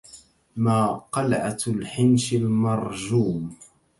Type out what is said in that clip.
ما قلعةُ الحنشِ المرجوم